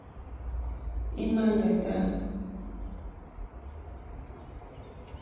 Ímá ŋɡàtá.